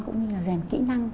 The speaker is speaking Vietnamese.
cũng như là rèn kỹ năng